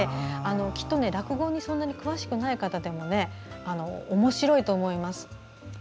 きっと、落語にそんなに詳しくない方でもおもしろいと思います。